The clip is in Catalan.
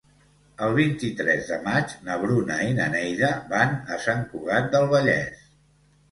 El vint-i-tres de maig na Bruna i na Neida van a Sant Cugat del Vallès.